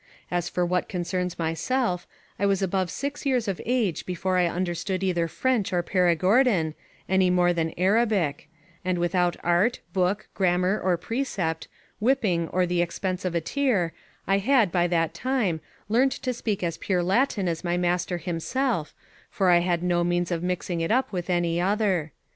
As for what concerns myself, I was above six years of age before I understood either French or Perigordin, any more than Arabic; and without art, book, grammar, or precept, whipping, or the expense of a tear, I had, by that time, learned to speak as pure Latin as my master himself, for I had no means of mixing it up with any other.